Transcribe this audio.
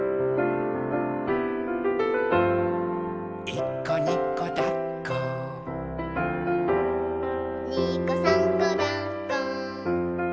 「いっこにこだっこ」「にこさんこだっこ」